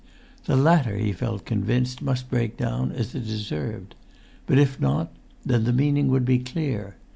The latter, he felt convinced, must break down as it deserved; but if not, then the meaning would be clear.